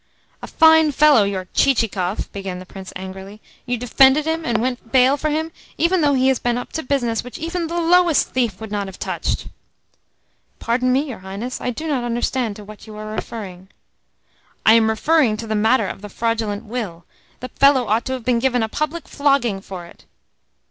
"A fine fellow your Chichikov!" began the Prince angrily. "You defended him, and went bail for him, even though he had been up to business which even the lowest thief would not have touched!" "Pardon me, your Highness; I do not understand to what you are referring." "I am referring to the matter of the fraudulent will. The fellow ought to have been given a public flogging for it."